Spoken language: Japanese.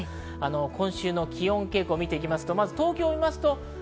今週の気温傾向を見ていきます。